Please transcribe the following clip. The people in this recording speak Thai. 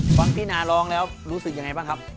ฟังพี่นาร้องแล้วรู้สึกยังไงบ้างครับ